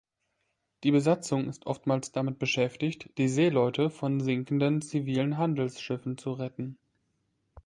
Die Besatzung ist oftmals damit beschäftigt, die Seeleute von sinkenden zivilen Handelsschiffen zu retten.